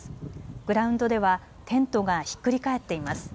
グラウンドではテントがひっくり返っています。